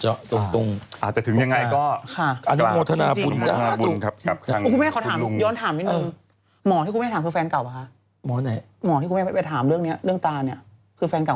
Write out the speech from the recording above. อาจจะถึงยังไงก็สลาดของมธนบุญค่ะ